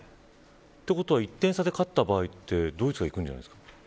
ということは１点差で勝った場合ドイツがいくんじゃないですか。